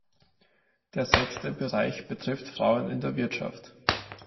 Der sechste Bereich betrifft Frauen in der Wirtschaft.